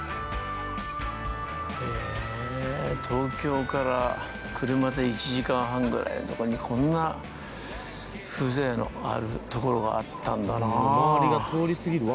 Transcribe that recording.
東京から車で１時間半ぐらいのところにこんな風情のあるところがあったんだな。